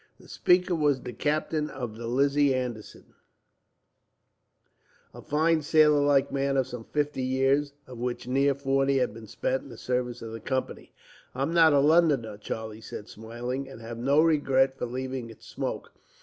The speaker was the captain of the Lizzie Anderson, a fine sailor like man of some fifty years, of which near forty had been spent in the service of the Company. "I'm not a Londoner," Charlie said, smiling, "and have no regret for leaving its smoke.